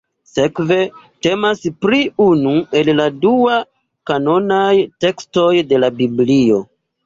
Sekve temas pri unu el la dua-kanonaj tekstoj de la Biblio.